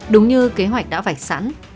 đúng như kế hoạch đã vạch sẵn